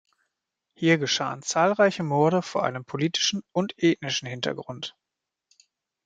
Hier geschahen zahlreiche Morde vor einem politischen und ethnischen Hintergrund.